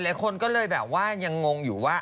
หลายคนก็เลยแบบว่ายังงงอยู่ว่า